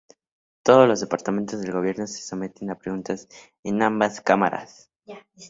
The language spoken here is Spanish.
Todos los departamentos del Gobierno se someten a preguntas en ambas Cámaras.